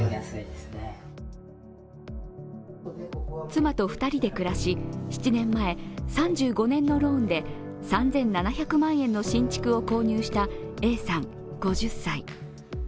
妻と２人で暮らしで、７年前、３５年のローンで３７００万円の新築を購入したＡさん５０歳。